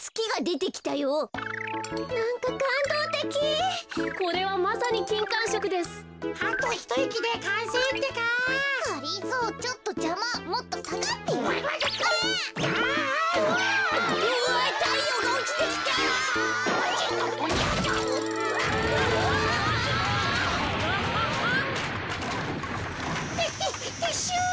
てててっしゅう。